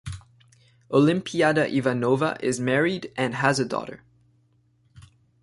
Olimpiada Ivanova is married and has a daughter.